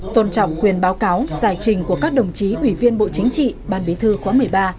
tôn trọng quyền báo cáo giải trình của các đồng chí ủy viên bộ chính trị ban bí thư khóa một mươi ba